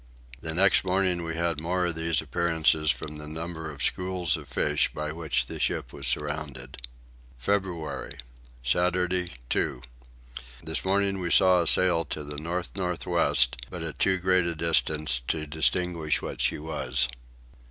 The next day we had more of these appearances from the number of schools of fish by which the ship was surrounded. February. Saturday 2. This morning we saw a sail to the north north west but at too great a distance to distinguish what she was.